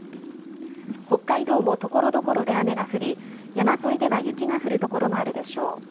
北海道もところどころで雨が降り山沿いでは雪が降る所もあるでしょう。